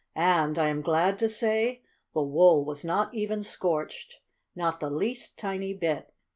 And, I am glad to say, the wool was not even scorched, not the least, tiny bit.